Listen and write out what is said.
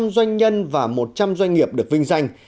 doanh nhân và một trăm linh doanh nghiệp được vinh danh